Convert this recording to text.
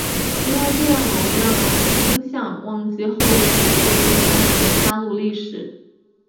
因为这样容易让人们倾向忘记后续对印第安人的杀戮历史。